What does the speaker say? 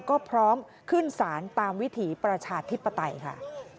ก็พร้อมขึ้นสารตามวิถีประชาธิปไตยค่ะ